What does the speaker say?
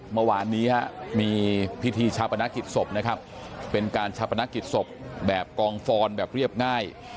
เมื่อวานนี้มีพิธีชาปนกิจศพนะครับเป็นการชาปนกิจศพแบบกองฟอนแบบเรียบง่าย